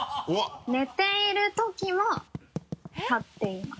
寝ている時もたっています。